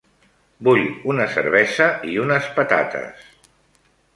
Vull una cervesa i unes patates.